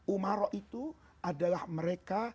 umarok itu adalah mereka